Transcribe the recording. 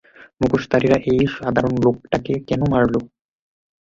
মুখোশধারীরা এই সাধারণ লোকটাকে কেন মারলো?